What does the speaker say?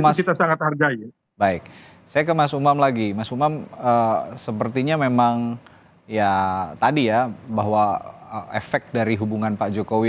masih tersengat harga ya baik saya ke mas umam lagi mas umam sepertinya memang ya tadi ya bahwa efek dari hubungan pak jokowi